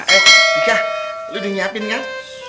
eh dika lo udah nyiapin kan